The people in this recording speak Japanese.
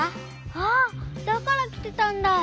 あっだからきてたんだ。